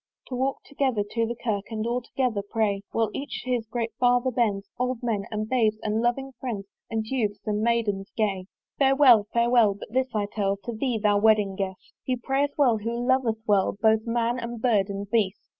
To walk together to the Kirk And all together pray, While each to his great father bends, Old men, and babes, and loving friends, And Youths, and Maidens gay. Farewell, farewell! but this I tell To thee, thou wedding guest! He prayeth well who loveth well Both man and bird and beast.